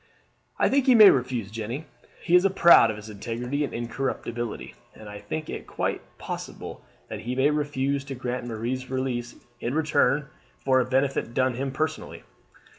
"I think he may refuse, Jeanne. He is proud of his integrity and incorruptibility, and I think it quite possible that he may refuse to grant Marie's release in return for a benefit done him personally.